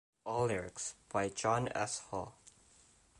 All lyrics by John S. Hall.